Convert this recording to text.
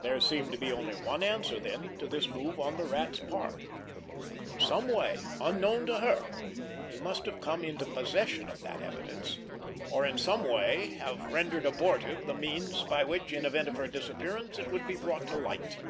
There seemed to be only one answer then to this move on the Rat's part. In some way, unknown to her, he must have come into possession of that evidence, or in some way have rendered abortive the means by which, in event of her disappearance, it would be brought to light.